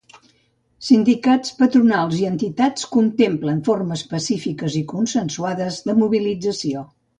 Sindicats, patronals i entitats contemplen formes pacífiques i consensuades de mobilització.